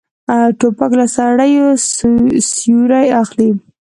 توپک له سړي سیوری اخلي.